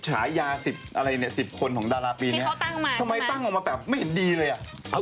หายา๑๐คนของดาราปีนี้ทำไมตั้งออกมาแบบไม่เห็นดีเลยหรือเปล่า